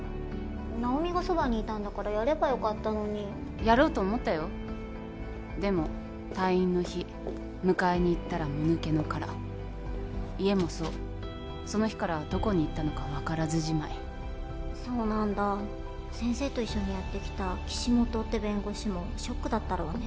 直美がそばにいたんだからやればよかったのにやろうと思ったよでも退院の日迎えに行ったらもぬけの殻家もそうその日からどこに行ったのか分からずじまいそうなんだ先生と一緒にやってきた岸本って弁護士もショックだったろうね